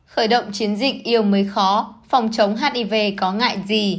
khởi động chiến dịch yêu mới khó phòng chống hiv có ngại gì